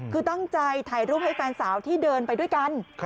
คือตั้งใจถ่ายรูปให้แฟนสาวที่เดินไปด้วยกัน